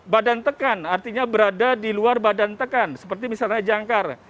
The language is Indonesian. badan tekan artinya berada di luar badan tekan seperti misalnya jangkar